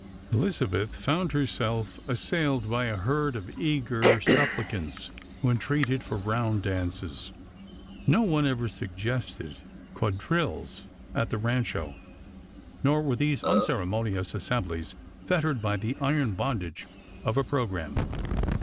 Elizabeth found herself assailed by ii herd of eager suppli cants, who entreated for round dances. No one ever suggested quadrilles at the Rancho, nor were these unceremonious assem blies fettered by the iron bondage of a programme.